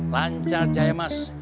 lancar aja ya mas